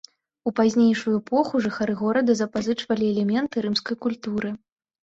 У пазнейшую эпоху жыхары горада запазычвалі элементы рымскай культуры.